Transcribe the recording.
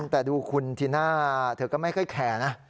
แต่ดูคุณจีน่าเธอก็ไม่ค่อยแคร์นะ